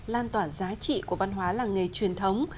lan tỏa giá trị của văn hóa làng nghề truyền thống